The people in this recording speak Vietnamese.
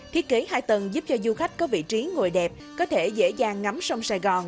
thiết kế hai tầng giúp cho du khách có vị trí ngồi đẹp có thể dễ dàng ngắm sông sài gòn